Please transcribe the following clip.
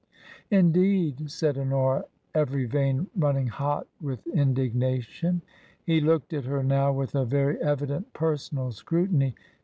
Indeed ?" said Honora, every vein running hot with indignation. He looked at her now with a very evident personal scrutiny.